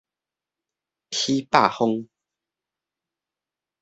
起豹風